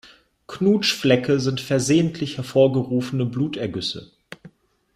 Knutschflecke sind versehentlich hervorgerufene Blutergüsse.